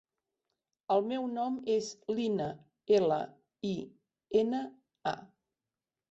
El meu nom és Lina: ela, i, ena, a.